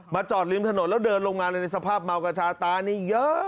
มาจอดริมถนนแล้วเดินลงหาในสภาพเมากับชาตนนี้